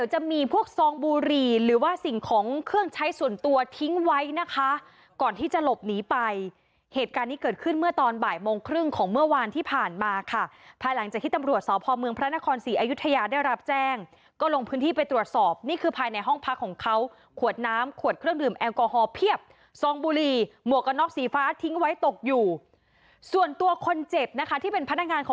เหตุการณ์นี้เกิดขึ้นเมื่อตอนบ่ายโมงครึ่งของเมื่อวานที่ผ่านมาค่ะภายหลังจากที่ตำรวจสอบภอมเมืองพระนครศรีอยุธยาได้รับแจ้งก็ลงพื้นที่ไปตรวจสอบนี่คือภายในห้องพักของเขาขวดน้ำขวดเครื่องดื่มแอลกอฮอล์เพียบซองบุหรี่หมวกกันน็อกสีฟ้าทิ้งไว้ตกอยู่ส่วนตัวคนเจ็บนะคะที่เป็นพนัก